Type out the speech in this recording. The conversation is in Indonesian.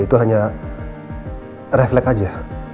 itu hanya refleks aja